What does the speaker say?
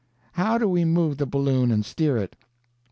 "How do we move the balloon and steer it?"